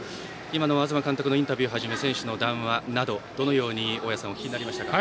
今の東監督のインタビューはじめ選手の談話などどのように大矢さんはお聞きになりましたか。